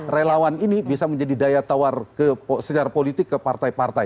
relawan ini bisa menjadi daya tawar secara politik ke partai partai